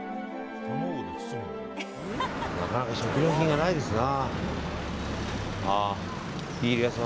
なかなか食料品がないですな。